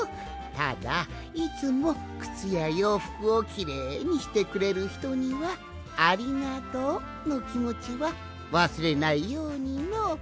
ただいつもクツやようふくをきれいにしてくれるひとには「ありがとう」のきもちはわすれないようにの。